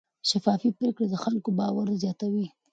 شفافې پریکړې د خلکو باور زیاتوي.